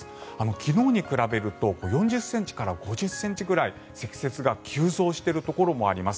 昨日に比べると４０ｃｍから５０ｃｍくらい積雪が急増しているところもあります。